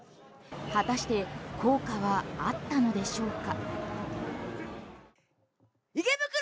果たして効果はあったのでしょうか？